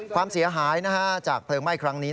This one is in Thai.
ความเสียหายจากเพลิงไหม้ครั้งนี้